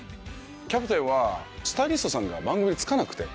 キャプテンはスタイリストさんが番組でつかなくて。